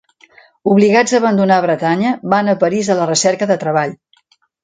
Obligats a abandonar Bretanya, van a París a la recerca de treball.